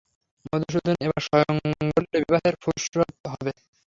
মধুসূদন এবার স্বয়ং বললে, বিবাহের ফুরসত হল।